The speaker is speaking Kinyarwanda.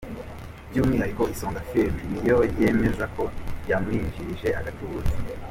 By’umwihariko “Isonga Film” ni yo yemeza ko yamwinjirije agatubutse.